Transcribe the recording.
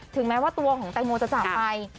แม้ว่าตัวของแตงโมจะจากไป